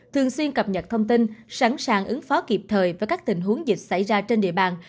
thường xuyên cập nhật thông tin sẵn sàng ứng phó kịp thời với các tình huống dịch xảy ra trên địa bàn